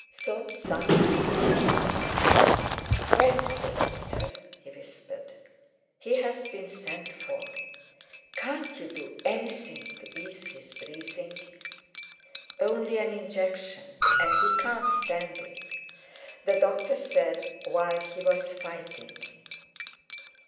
Soames signed to the nurse. "Where's the doctor?" he whispered. "He's been sent for." "Can't you do anything to ease his breathing?" "Only an injection; and he can't stand it. The doctor said, while he was fighting...."